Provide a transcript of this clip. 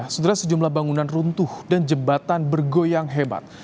sebenarnya sejumlah bangunan runtuh dan jembatan bergoyang hebat